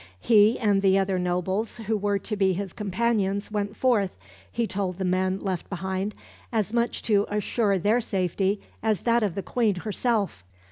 He and the other nobles who were to be his companions went forth, he told the men left behind, as much to assure their safety as that of the Queen herself.